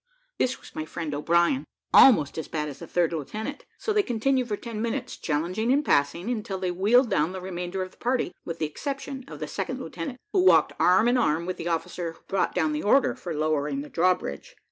This was my friend O'Brien, almost as bad as the third lieutenant; and so they continued for ten minutes, challenging and passing, until they wheeled down the remainder of the party, with the exception of the second lieutenant, who walked arm in arm with the officer who brought down the order for lowering the drawbridge.